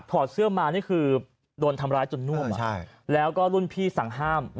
อดเสื้อมานี่คือโดนทำร้ายจนน่วมแล้วก็รุ่นพี่สั่งห้าม